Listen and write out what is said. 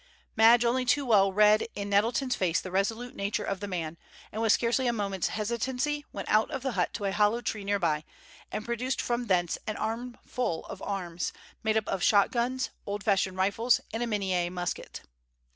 Madge only too well read in Nettleton's face the resolute nature of the man, and with scarcely a moment's hesitancy went out of the hut to a hollow tree near by, and produced from thence an armful of arms, made up of shot guns, old fashioned rifles, and a Minié musket.